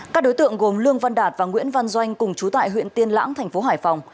các đối tượng gồm lương văn đạt và nguyễn văn doanh cùng chú tại huyện tiên lãng thành phố hải phòng